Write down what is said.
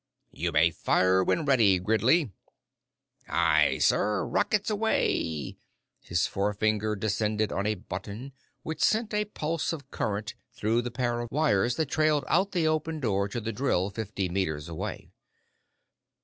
"You may fire when ready, Gridley!" "Aye, sir! Rockets away!" His forefinger descended on a button which sent a pulse of current through the pair of wires that trailed out the open door to the drill fifty meters away.